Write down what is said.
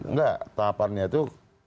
enggak tahapannya itu